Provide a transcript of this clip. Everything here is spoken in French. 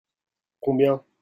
Combien ?